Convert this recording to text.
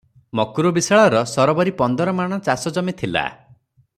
ମକ୍ରୁ ବିଶାଳର ସରବରି ପନ୍ଦର ମାଣ ଚାଷଜମି ଥିଲା ।